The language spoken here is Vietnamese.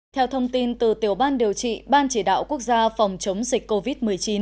theo thông tin từ tiểu ban điều trị ban chỉ đạo quốc gia phòng chống dịch covid một mươi chín